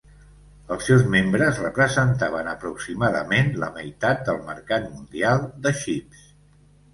Els seus membres representaven aproximadament la meitat del mercat mundial de xips.